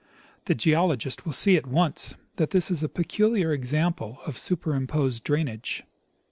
The geologist will see at once that this is a peculiar example of superimposed drainage.